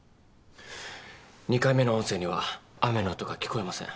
２回目の音声には雨の音が聞こえません。